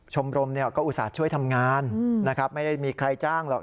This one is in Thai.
ชมรมก็อุตส่าห์ช่วยทำงานนะครับไม่ได้มีใครจ้างหรอก